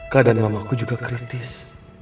kak dan mamaku juga kritis